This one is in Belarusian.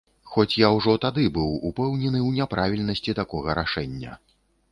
Хоць я ўжо тады быў упэўнены ў няправільнасці такога рашэння.